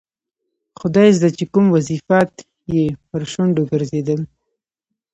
خدایزده چې کوم وظیفات یې پر شونډو ګرځېدل.